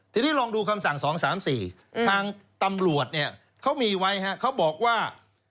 ทีนี้ลองดูคำสั่ง๒๓๔ทางตำรวจเนี่ยเขามีไว้เขาบอกว่า